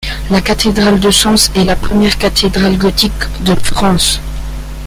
La cathédrale de Sens est la première cathédrale gothique de France.